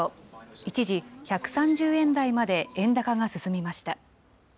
一時、１３０円台まで円高が進みました。